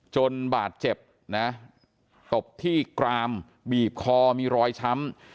จนบาดเจ็บนะตบที่กรามบีบคอมีรอยช้ำ